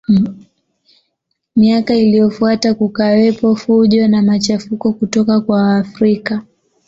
Miaka iliyofuata kukawepo fujo na machafuko kutoka kwa Waafrika